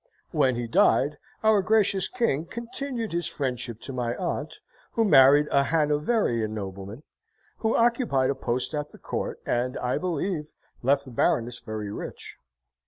When he died, Our gracious King continued his friendship to my aunt; who married a Hanoverian nobleman, who occupied a post at the Court and, I believe, left the Baroness very rich.